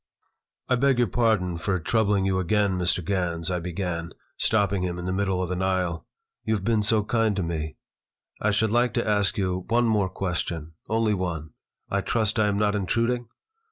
"I beg your pardon for troubling you again, Mr. Gans," I began, stopping him in the middle of an aisle. "You've been so kind to me. I should like to ask you one more question. Only one. I trust I am not intruding?"